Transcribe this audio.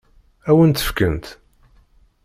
Ad wen-tt-fkent?